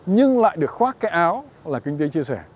nhưng lại được khoác cái áo là kinh tế chia sẻ